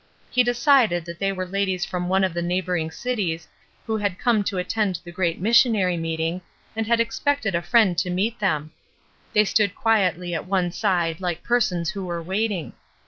He decided that they were ladies from one of the neighboring cities who had come to attend the great missionary meeting, and had expected a friend to meet them; they stood quietly at one side like persons who were waiting.